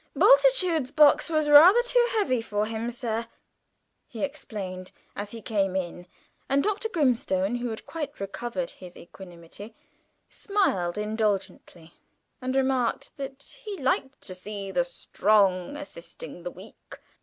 "Bultitude's box was rather too heavy for him, sir," he explained as he came in; and Dr. Grimstone, who had quite recovered his equanimity, smiled indulgently, and remarked that he "liked to see the strong assisting the weak."